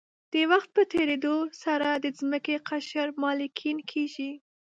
د وخت په تېرېدو سره د ځمکې قشر مالګین کېږي.